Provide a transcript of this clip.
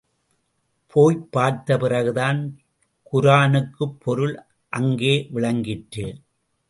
போய்ப் பார்த்த பிறகுதான் குரானுக்குப் பொருள் அங்கே விளங்கிற்று.